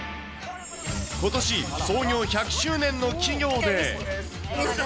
ことし創業１００周年の企業で。